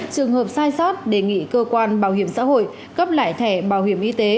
trường hợp sai sót đề nghị cơ quan bảo hiểm xã hội cấp lại thẻ bảo hiểm y tế